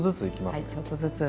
ちょっとずつ。